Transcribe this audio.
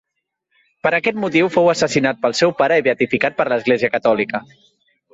Per aquest motiu fou assassinat pel seu pare i beatificat per l'Església catòlica.